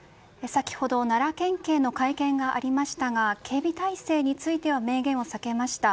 先ほど奈良県警の会見がありましたが警備態勢については明言を避けました。